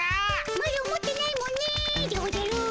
マロ持ってないもんねでおじゃる。